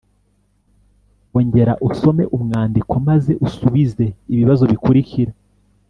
ongera usome umwandiko maze usubize ibibazo bikurikira: